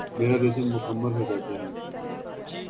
میرا جسم مکمل ہو جاتا ہے ۔